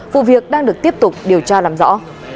vụ việc đang được tiếp tục điều tra làm rõ